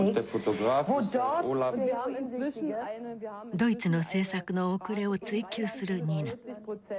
ドイツの政策の遅れを追及するニナ。